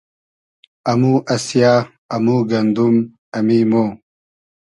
امو اسیۂ ، امو گئندوم ، امی مۉ